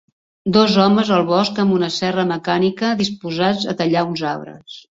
Dos homes al bosc amb una serra mecànica disposats a tallar uns arbres.